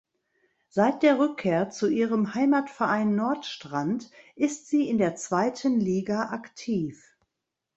Seit der Rückkehr zu ihrem Heimatverein Nordstrand ist sie in der zweiten Liga aktiv.